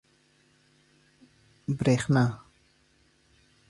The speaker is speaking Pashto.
برق √ بريښنا